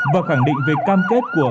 và khẳng định về cam kết của ông